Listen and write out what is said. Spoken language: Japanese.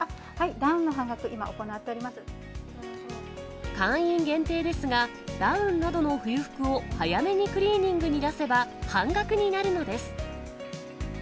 ダウンの半額、今行っており会員限定ですが、ダウンなどの冬服を早めにクリーニングに出せば、半額になるのです。